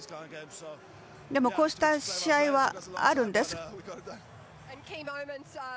でも、こうした試合はあるんです。